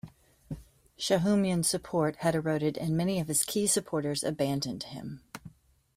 Shahumyan's support had eroded and many of his key supporters abandoned him.